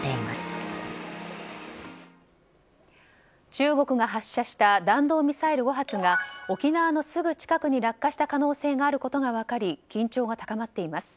中国が発射した弾道ミサイル５発が沖縄のすぐ近くに落下した可能性があることが分かり緊張が高まっています。